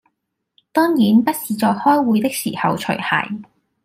當然不是在開會的時候除鞋